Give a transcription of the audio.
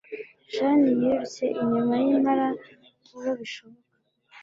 Jane yirutse inyuma yimpara vuba bishoboka.